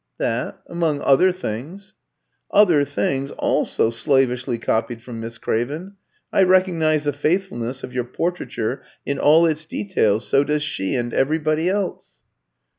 "That among other things." "Other things, also slavishly copied from Miss Craven. I recognise the faithfulness of your portraiture in all its details; so does she and everybody else."